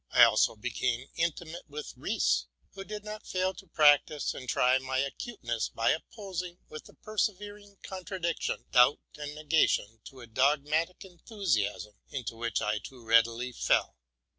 I also became intimate with Riese, who did not fail to practise and try my acuteness by opposing, with a persevering contradiction, doubt and negation to a dogmatie enthusiasm into which I too readily fell.